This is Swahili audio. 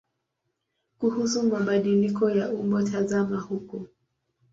Kuhusu mabadiliko ya umbo tazama huko.